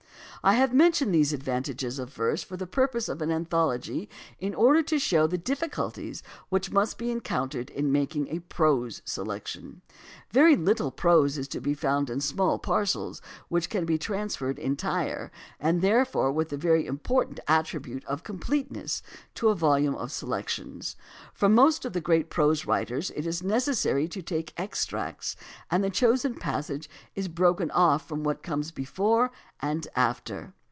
I have mentioned these advantages of verse for the purposes of an anthology in order to show the difficulties which must be encountered in making a prose selection. Very little prose is to be found in small parcels which can be transferred entire, and therefore with the very important attribute of com AS TO ANTHOLOGIES 229 pleteness, to a volume of selections. From most of the great prose writers it is necessary to take extracts, and the chosen passage is broken off from what comes before and after.